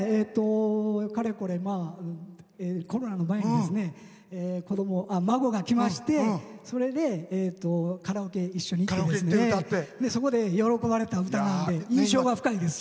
かれこれ、コロナの前に孫が来ましてそれでカラオケ一緒に行ってそこで喜ばれた歌なんで印象が深いです。